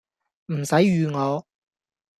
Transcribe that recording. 唔使預我